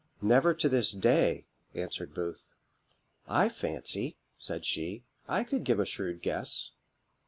"Never to this day," answered Booth. "I fancy," said she, "I could give a shrewd guess.